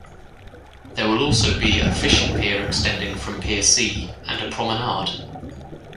There will also be a fishing pier extending from Pier C and a promenade.